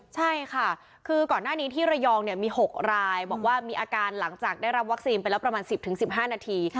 ใช่ค่ะคือก่อนหน้านี้ที่ระยองมี๖รายบอกว่ามีอาการหลังจากได้รับวัคซีนไปแล้วประมาณ๑๐๑๕นาที